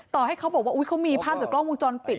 ต่อให้เขาบอกว่าเขามีภาพจากกล้องวงจรปิด